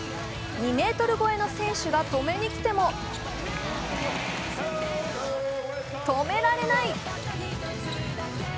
２ｍ超えの選手が止めにきても止められない。